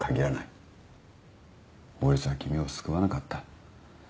法律は君を救わなかった。